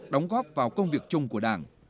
đóng góp vào công việc chung của đảng